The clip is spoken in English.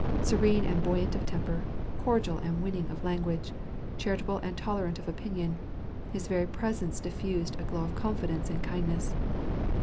Serene and buoyant of temper, cordial and winning of language, charitable and tolerant of opinion, his very presence diffused a glow of confidence and kindness.